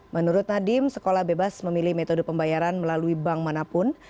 menurut nadiem sekolah bebas memilih metode pembayaran melalui bank manapun